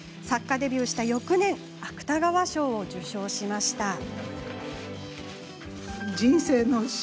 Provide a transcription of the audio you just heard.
作家デビューした翌年芥川賞を受賞しました。